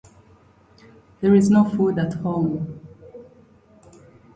According to Pepys-Whiteley, this was their favourite of all of their joint productions.